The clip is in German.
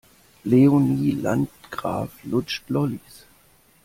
Leonie Landgraf lutscht Lollis.